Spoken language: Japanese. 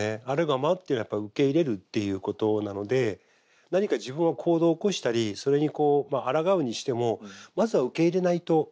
あるがままっていうのはやっぱり受け入れるっていうことなので何か自分が行動を起こしたりそれにこうあらがうにしてもまずは受け入れないと。